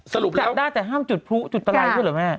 จัดได้แต่ห้ามจุดพลุจุดตรายด้วยเหรอแม่